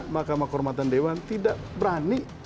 mahkamah kehormatan dewan tidak berani